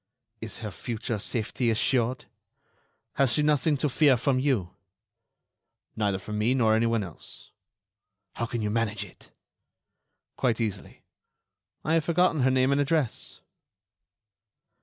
"Is her future safety assured? Has she nothing to fear from you?" "Neither from me, nor anyone else." "How can you manage it?" "Quite easily. I have forgotten her name and address."